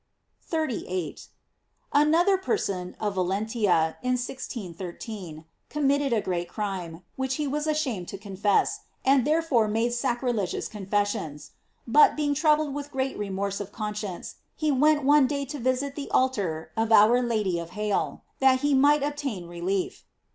* 38. — Another person, of Valentia, in 1613, committed a great crime, which he was ashamed to confess, and therefore made sacrilegious con fessions. But, being troubled with great remorse of conscience, he went one day to visit the altar of Our Lady of Halle, that he might obtain re lief.